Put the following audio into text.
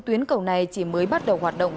tuyến cầu này chỉ mới bắt đầu hoạt động